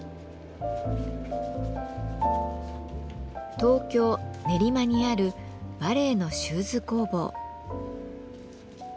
東京・練馬にあるバレエのシューズ工房。